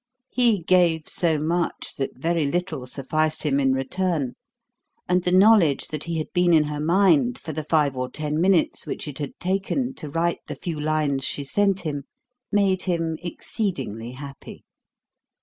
He gave so much that very little sufficed him in return; and the knowledge that he had been in her mind for the five or ten minutes which it had taken to write the few lines she sent him, made him exceedingly happy.